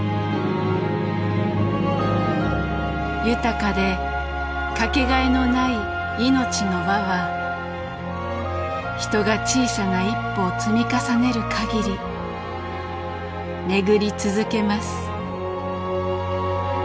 豊かで掛けがえのない命の輪は人が小さな一歩を積み重ねる限り巡り続けます。